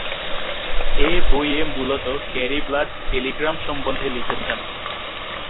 এ বই এ মূলত গ্যারি ব্লাড টেলিগ্রাম সম্বন্ধে লিখেছেন।